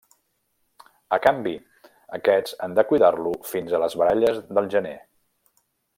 A canvi, aquests han de cuidar-lo fins a les baralles del gener.